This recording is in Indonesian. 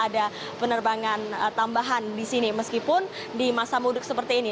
ada penerbangan tambahan di sini meskipun di masa mudik seperti ini